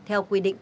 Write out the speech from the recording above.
theo quy định